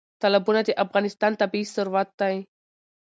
تالابونه د افغانستان طبعي ثروت دی.